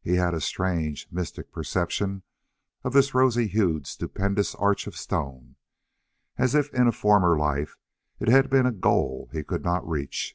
He had a strange, mystic perception of this rosy hued stupendous arch of stone, as if in a former life it had been a goal he could not reach.